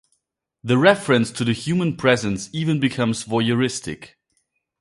The reference to the human presence even becomes voyeuristic.